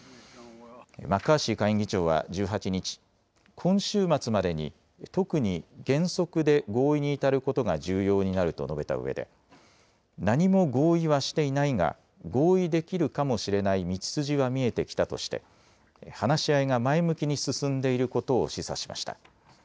マッカーシー下院議長は１８日、今週末までに特に原則で合意に至ることが重要になると述べたうえで、何も合意はしていないが、合意できるかもしれない道筋は見えてきたとして、話し合いが前向きに進んでいることを示唆しました。